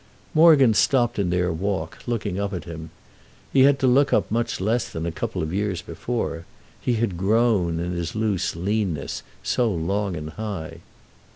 Morgan stopped in their walk, looking up at him. He had to look up much less than a couple of years before—he had grown, in his loose leanness, so long and high.